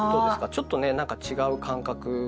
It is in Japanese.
ちょっとねなんか違う感覚。